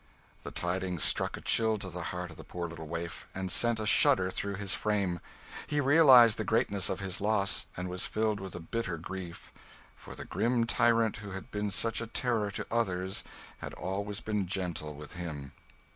The tidings struck a chill to the heart of the poor little waif, and sent a shudder through his frame. He realised the greatness of his loss, and was filled with a bitter grief; for the grim tyrant who had been such a terror to others had always been gentle with him.